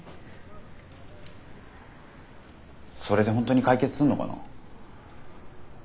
それで本当に解決すんのかな？